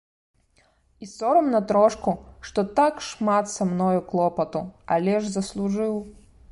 І сорамна трошку, што так шмат са мною клопату, але ж заслужыў.